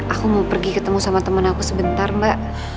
aku mau pergi ketemu sama teman aku sebentar mbak